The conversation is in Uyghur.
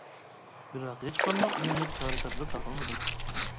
بىراق ھېچقانداق ئۈنۈملۈك چارە تەدبىر تاپالمىدىم.